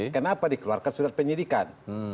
kenapa dikeluarkan sudah penyidikan